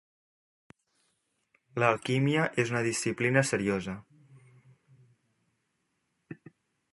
L'alquímia és una disciplina seriosa.